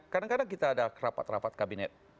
kadang kadang kita ada kerapat kerapat kabinet